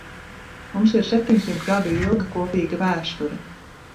Mums ir septiņsimt gadu ilga kopīga vēsture.